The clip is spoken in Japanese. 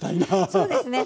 そうですね